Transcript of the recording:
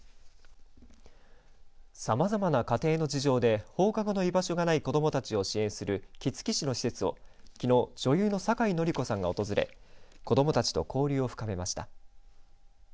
さまざまな家庭の事情で放課後の居場所がない子どもたちを支援する杵築市の施設をきのう女優の酒井法子さんが訪れ子どもたちと交流を深めました。